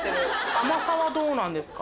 甘さはどうなんですか？